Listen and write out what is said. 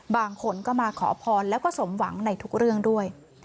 บางคนก็มาขอพรแล้วก็สมหวังในทุกเรื่องด้วย